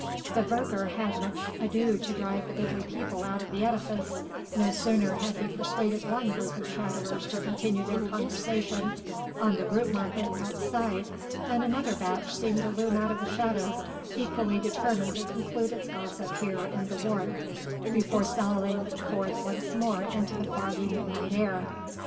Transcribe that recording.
The verger had much ado to drive the goodly people out of the edifice, no sooner had he persuaded one group of chatterers to continue their conversation on the Grootemarkt outside, than another batch seemed to loom out of the shadows, equally determined to conclude its gossip here in the warmth, before sallying forth once more into the foggy midnight air.